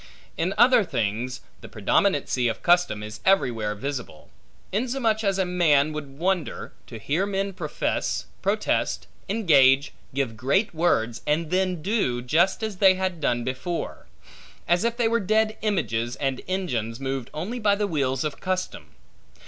In other things, the predominancy of custom is everywhere visible; insomuch as a man would wonder, to hear men profess, protest, engage, give great words, and then do, just as they have done before; as if they were dead images, and engines moved only by the wheels of custom.